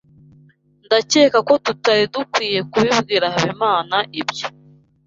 Ndakeka ko tutari dukwiye kubibwira Habimana ibyo.